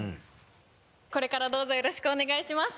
これからどうぞよろしくお願いします。